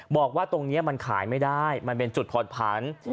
บอกว่าตรงนี้มันขายไม่ได้มันเป็นจุดผ่อนผัน